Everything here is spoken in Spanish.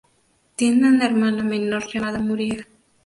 Tiene una hermana menor llamada Muriel.